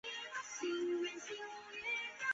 杜龙河畔圣迪迪耶人口变化图示